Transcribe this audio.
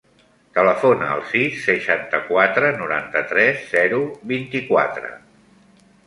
Telefona al sis, seixanta-quatre, noranta-tres, zero, vint-i-quatre.